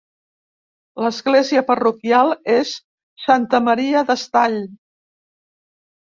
L'església parroquial és Santa Maria d'Estall.